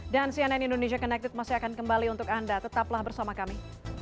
dan cnn indonesia connected masih akan kembali untuk anda tetaplah bersama kami